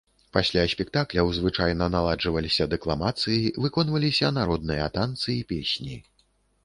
Пасля спектакляў звычайна наладжваліся дэкламацыі, выконваліся народныя танцы і песні.